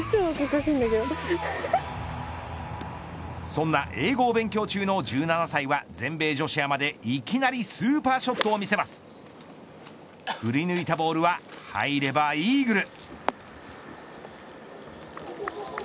そんな英語を勉強中の１７歳は全米女子アマでいきなり振り抜いたボールは入ればイーグル。